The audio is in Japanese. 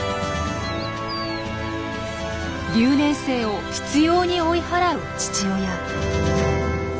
留年生を執ように追い払う父親。